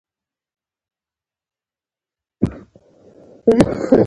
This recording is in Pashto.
د کونړ باغونه ځنغوزي لري.